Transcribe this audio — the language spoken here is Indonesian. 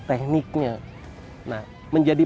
tekniknya nah menjadi